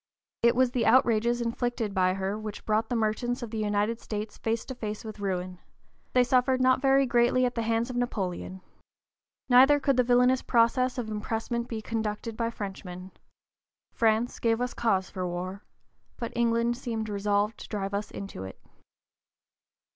It was the outrages inflicted by her which brought the merchants of the United States face to face with ruin; they suffered not very greatly at the hands of Napoleon. Neither could the villainous process of impressment be conducted by Frenchmen. (p. 047) France gave us cause for war, but England seemed resolved to drive us into it.